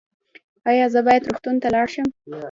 ایا زه باید روغتون ته لاړ شم؟